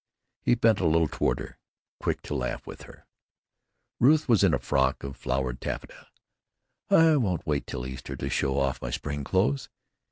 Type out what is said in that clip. He bent a little toward her, quick to laugh with her. Ruth was in a frock of flowered taffeta. "I won't wait till Easter to show off my spring clothes.